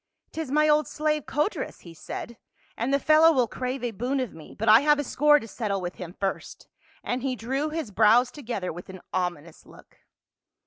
" 'Tis my old slave Codrus," he said, "the fellow will crave a boon of me, but I have a score to settle with him first," and he drew his brows together with an ominous look.